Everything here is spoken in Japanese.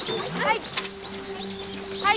はい。